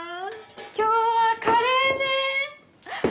今日はカレーね？